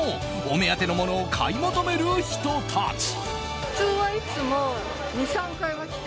お目当てのものを買い求める人たち。